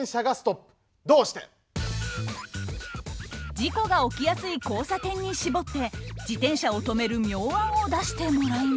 事故が起きやすい交差点に絞って自転車を止める妙案を出してもらいます。